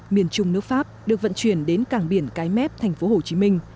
miền trung nước pháp được vận chuyển đến cảng biển cái mép thành phố hồ chí minh